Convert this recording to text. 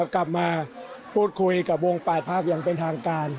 กลับมาพูดคุยกับวง๘ภาคอย่างเป็นทางการ